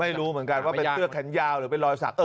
อ่อไม่รู้เหมือนกันว่าเกือบแขนยาวหรือเป็นลอยสัก